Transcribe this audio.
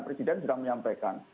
presiden juga menyampaikan